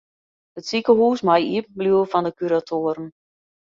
It sikehús mei iepen bliuwe fan de kuratoaren.